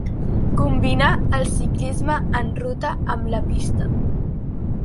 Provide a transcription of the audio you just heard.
Combinà el ciclisme en ruta amb la pista.